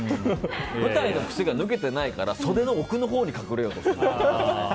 舞台の癖が抜けてないから袖の奥のほうに隠れようとする。